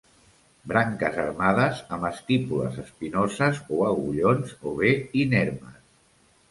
Branques armades amb estípules espinoses o agullons, o bé inermes.